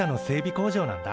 工場なんだ。